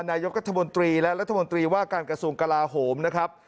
นายกัธมนตรีและรัฐมนตรีว่าการกระทรวงกลาโหมนะครับ